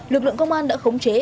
lực lượng công an đã khống chế